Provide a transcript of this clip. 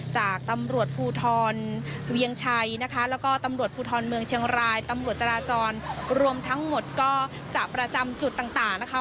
จากตำรวจภูทรเวียงชัยนะคะแล้วก็ตำรวจภูทรเมืองเชียงรายตำรวจจราจรรวมทั้งหมดก็จะประจำจุดต่างนะคะ